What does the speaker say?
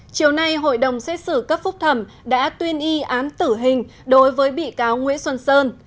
chiều nay hội đồng xét xử cấp phúc thẩm đã tuyên y án tử hình đối với bị cáo nguyễn xuân sơn